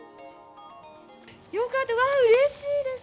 よかった、わー、うれしいです！